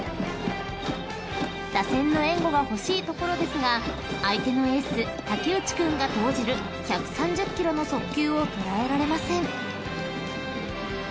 ［打線の援護が欲しいところですが相手のエース竹内君が投じる１３０ｋｍの速球を捉えられません］